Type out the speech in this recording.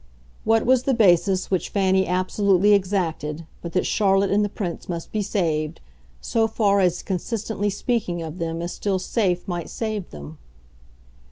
What was the basis, which Fanny absolutely exacted, but that Charlotte and the Prince must be saved so far as consistently speaking of them as still safe might save them?